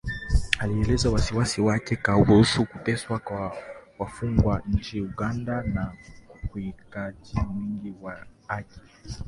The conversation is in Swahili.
alielezea wasiwasi wake kuhusu kuteswa kwa wafungwa nchini Uganda na ukiukwaji mwingine wa haki